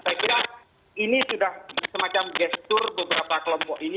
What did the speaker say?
saya kira ini sudah semacam gestur beberapa kelompok ini